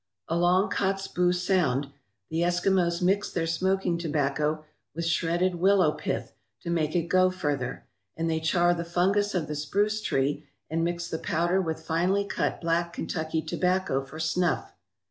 Along Kotzebue Sound the Eskimos mix their smoking tobacco with shredded willow pith to make it go further, and they char the fungus of the spruce tree and mix the powder with finely cut black Kentucky tobacco for snuff